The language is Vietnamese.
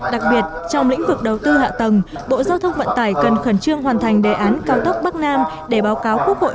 đặc biệt trong lĩnh vực đầu tư hạ tầng bộ giao thông vận tải cần khẩn trương hoàn thành đề án cao tốc bắc nam để báo cáo quốc hội